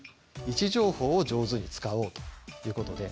「位置情報を上手に使おう」ということで。